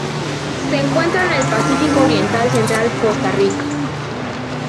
Se encuentra en el Pacífico oriental central: Costa Rica.